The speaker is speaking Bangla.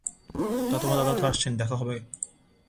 তা, তোমার দাদা তো আসছেন, দেখা হবে।